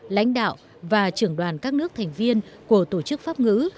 lãnh đạo và trưởng đoàn các nước thành viên của tổ chức pháp ngữ